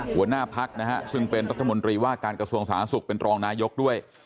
หัวหน้าพักนะฮะซึ่งเป็นรัฐมนตรีว่าการกระทรวงสาธารณสุขเป็นรองนายกด้วย